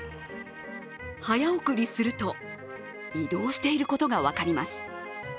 早送りすると、移動していることが分かります。